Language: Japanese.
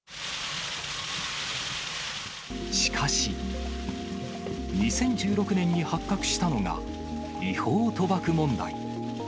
しかし、２０１６年に発覚したのが、違法賭博問題。